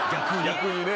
逆にね。